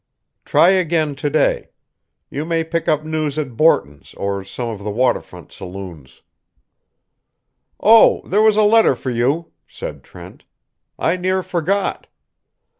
"Try again to day. You may pick up news at Borton's or some of the water front saloons." "Oh, there was a letter for you," said Trent. "I near forgot."